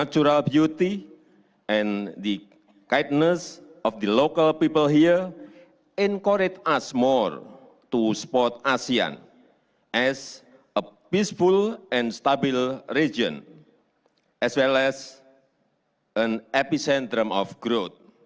jokowi dan eriana berjoget di labuan bajo